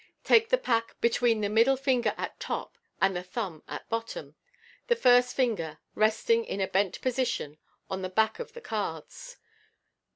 Take the pack between the middle finger at top and the thumb at bottom, the first finger resting in a bent position on the back of the cards.